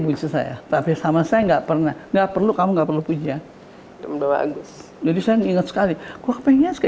bunyi saya tapi sama saya enggak pernah